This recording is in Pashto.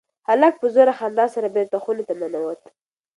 هلک په زوره خندا سره بېرته خونې ته ننوت.